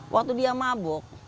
waktu dia mabok